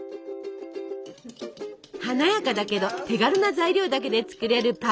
華やかだけど手軽な材料だけで作れるパブロバ。